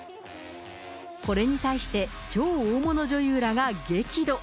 これに対して、超大物女優らが激怒。